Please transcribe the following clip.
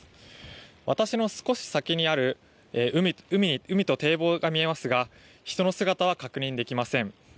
私の少し先にある海と堤防が見えますが人の姿は確認できません。